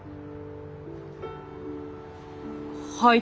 はい。